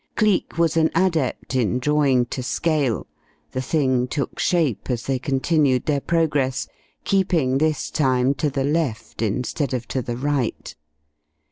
Cleek was an adept in drawing to scale. The thing took shape as they continued their progress, keeping this time to the left instead of to the right.